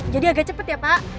jadi agak cepet ya pak